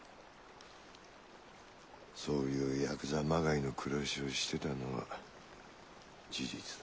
そういうヤクザまがいの暮らしをしてたのは事実だ。